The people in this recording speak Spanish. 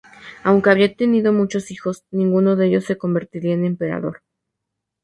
Aunque había tenido muchos hijos, ninguno de ellos se convertiría en Emperador.